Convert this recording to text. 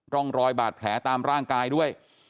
ร่องรอยบาดแผลตามร่างกายด้วย